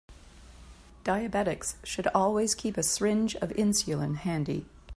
Diabetics should always keep a syringe of insulin handy.